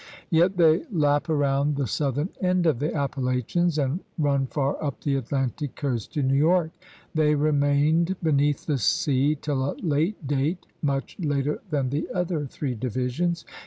Yet they lap around the southern end of the Appalachians and run far up the Atlantic coast to New York. They remained beneath the sea till a late date, much later than the other three divisions.